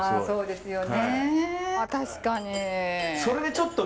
そうですよね。